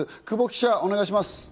久保記者、お願いします。